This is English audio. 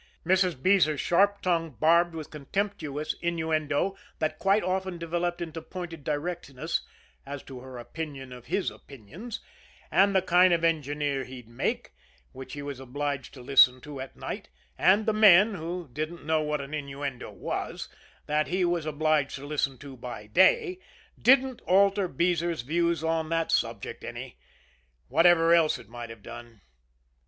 Mrs. Beezer's sharp tongue, barbed with contemptuous innuendo that quite often developed into pointed directness as to her opinion of his opinions, and the kind of an engineer he'd make, which he was obliged to listen to at night, and the men who didn't know what an innuendo was that he was obliged to listen to by day, didn't alter Beezer's views on that subject any, whatever else it might have done.